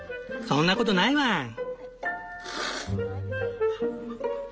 そんなことないワン！